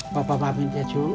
papa mampir ya cu